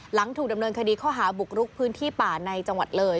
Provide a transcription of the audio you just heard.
หลังถูกดำเนินคดีข้อหาบุกรุกพื้นที่ป่าในจังหวัดเลย